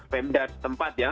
pemda tempat ya